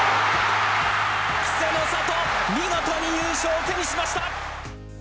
稀勢の里、見事に優勝を手にしました！